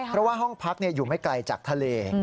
เพราะว่าห้องพักอยู่ไม่ไกลจากทะเล